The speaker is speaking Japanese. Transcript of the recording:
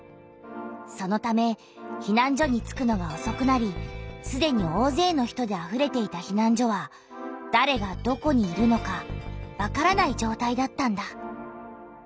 そのためひなん所に着くのがおそくなりすでにおおぜいの人であふれていたひなん所はだれがどこにいるのかわからないじょうたいだったんだ。